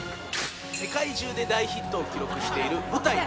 世界中で大ヒットを記録している舞台